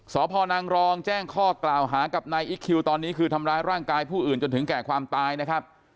สพนางรองแจ้งข้อกล่าวหากับนายอิ๊กคิวตอนนี้คือทำร้ายร่างกายผู้อื่นจนถึงแก่ความตายนะครับ